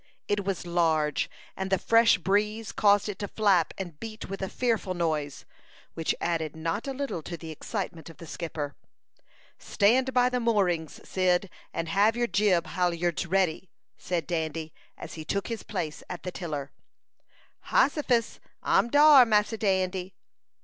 It was large, and the fresh breeze caused it to flap and beat with a fearful noise, which added not a little to the excitement of the skipper. "Stand by the moorings, Cyd, and have your jib halyards ready!" said Dandy, as he took his place at the tiller. "Hossifus! I'm dar, Massa Dandy."